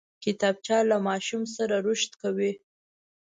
کتابچه له ماشوم سره رشد کوي